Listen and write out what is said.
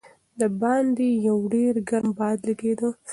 د باندې یو ډېر ګرم باد لګېده.